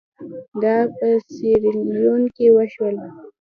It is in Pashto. دا په سیریلیون کې وشول.